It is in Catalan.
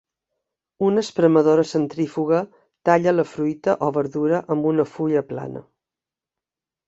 Una espremedora centrífuga talla la fruita o verdura amb una fulla plana.